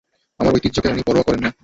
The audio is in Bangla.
তাদের ঐতিহ্যকে উনি পরোয়াও করেন না।